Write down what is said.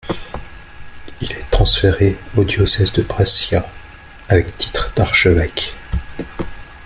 Il est transféré au diocèse de Brescia, avec titre d'archevêque.